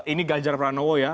ini ganjar pranowo ya